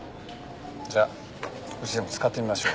じゃあうちでも使ってみましょう。